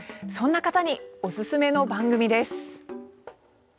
そんな方におすすめの番組です。